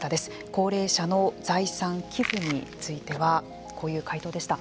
高齢者の財産寄付についてはこういう回答でした。